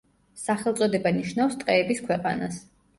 სახელწოდება ნიშნავს „ტყეების ქვეყანას“.